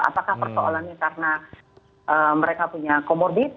apakah persoalannya karena mereka punya comorbid